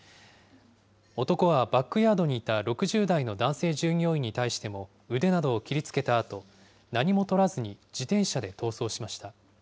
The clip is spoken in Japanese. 男はバックヤードにいた６０代の男性従業員に対しても、腕などを切りつけたあと、何もとらずに自転車で逃走しました。